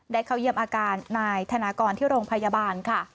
ได้เข้าเยี่ยมอาการที่นายธนากรที่โรงพยาบาล